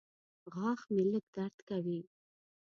غاښ مې لږ درد کوي.